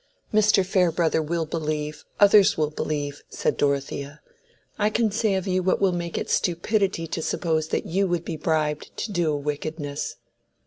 "Mr. Farebrother will believe—others will believe," said Dorothea. "I can say of you what will make it stupidity to suppose that you would be bribed to do a wickedness."